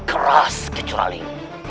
mereka mau dimpaiin